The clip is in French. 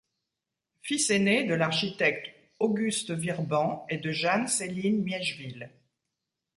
Fils aîné de l'architecte Auguste Virebent et de Jeanne Céline Miegeville.